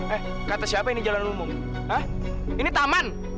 eh kata siapa ini jalan umum eh ini taman